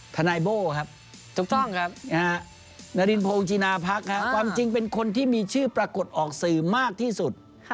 ทนายโบ้ครับนารินโพงจีนาพักษ์ครับความจริงเป็นคนที่มีชื่อปรากฏออกสื่อมากที่สุด